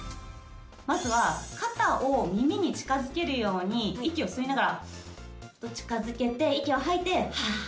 まずは肩を耳に近づけるように息を吸いながら近づけて息を吐いてハア。